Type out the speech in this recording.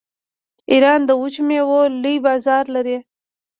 ایران د وچو میوو لوی بازار لري.